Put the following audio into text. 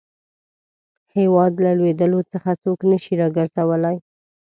هیواد له لوېدلو څخه څوک نه شي را ګرځولای.